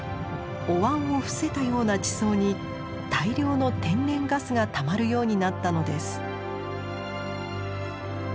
おわんを伏せたような地層に大量の天然ガスがたまるようになったのです。